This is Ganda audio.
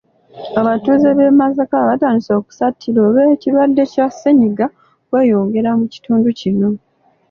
Abatuuze b’e Masaka batandise okusattira olw’ekirwadde kya ssennyiga okweyongera mu kitundu kino.